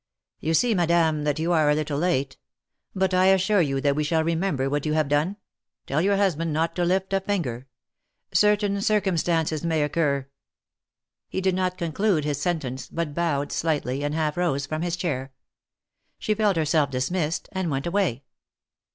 ^'You see, Madame, that you are a little late; but I assure you that we shall remember what you have done. Tell your husband not to lift a finger. Certain circum stances may occur —" He did not conclude his sentence, but bowed slightly, and half rose from his chair. She felt herself dismissed, and went away.